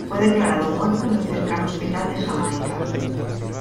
Fue declarado muerto en el cercano Hospital de Jamaica.